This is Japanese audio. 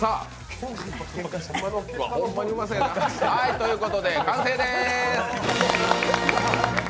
ということで、完成です！